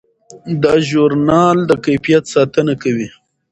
دا ژورنال د کیفیت ساتنه کوي.